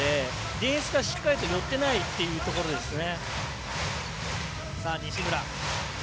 ディフェンスがしっかりと寄ってないというところですね。